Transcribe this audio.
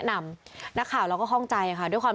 ทั้งหลวงผู้ลิ้น